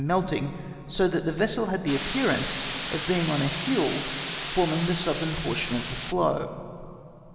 meltiiig, so that the vessel had the appearance of being on a hill forming the southern portion of the floe.